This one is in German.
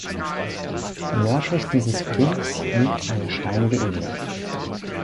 Nördlich dieses Creeks liegt eine steinige Ebene.